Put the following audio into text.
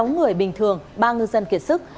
sáu người bình thường ba ngư dân kiệt sức